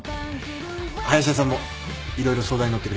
林田さんも色々相談に乗ってくれて助かりました。